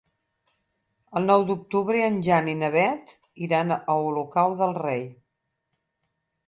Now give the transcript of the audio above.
El nou d'octubre en Jan i na Beth iran a Olocau del Rei.